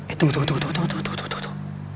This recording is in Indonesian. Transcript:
eh tunggu tunggu tunggu